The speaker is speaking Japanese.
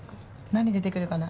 何出てくるかな？